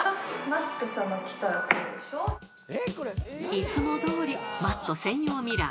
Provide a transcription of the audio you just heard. ［いつもどおりＭａｔｔ専用ミラー］